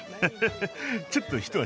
ちょっと一足先に。